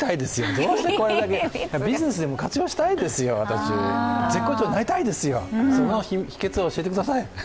どうしてこれだけビジネスでも活用したいですよ、私絶好調になりたいですよ、その秘けつを教えてください。